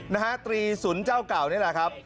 นะฮะตรีสุนเจ้าเก่านี่แหละครับ